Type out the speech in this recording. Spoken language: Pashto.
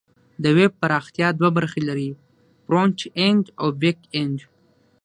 د ویب پراختیا دوه برخې لري: فرنټ اینډ او بیک اینډ.